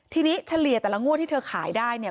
ทีนี้เฉลี่ยแต่ละงวดที่เธอขายได้เนี่ย